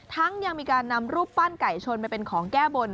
ยังมีการนำรูปปั้นไก่ชนไปเป็นของแก้บน